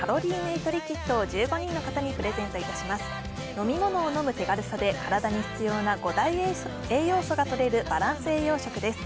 飲み物を飲む手軽さで体に必要な５大栄養素がとれるバランス栄養食です。